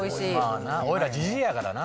俺らじじいやからな。